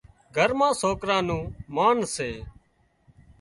گھر مان سوڪريان نُون مانَ سي